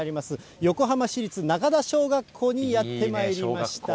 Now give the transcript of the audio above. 横浜市立中田小学校にやってまいりました。